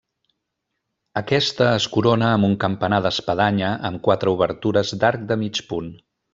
Aquesta es corona amb un campanar d'espadanya amb quatre obertures d'arc de mig punt.